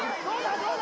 どうだ？